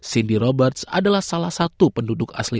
cindy roberts adalah salah satu penduduk asli